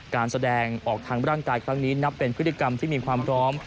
การแสดงออกทางร่างกายครั้งนี้นับเป็นพฤติกรรมที่มีความพร้อม